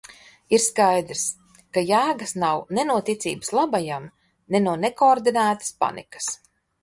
Ir skaidrs, ka jēgas nav ne no ticības labajam, ne no nekoordinētas panikas.